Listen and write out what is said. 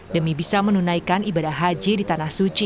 demi bisa menunaikan ibadah haji di tanah suci